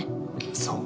そう。